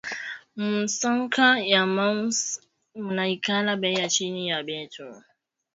Mu nsoko ya moise munaikalaka beyi chini ya bitu